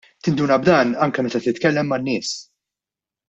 Tinduna b'dan anke meta titkellem man-nies.